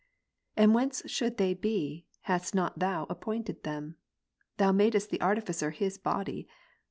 And whence should they be, hadst not Thou appointed them ? Thou madest the artificer his body.